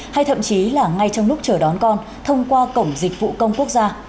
hay thậm chí là ngay trong lúc chờ đón con thông qua cổng dịch vụ công quốc gia